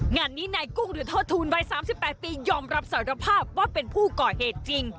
งานนี้นายกุ้งหรือทอดทูลวัย๓๘ปียอมรับสารภาพว่าเป็นผู้ก่อเหตุจริง